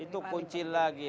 itu kunci lagi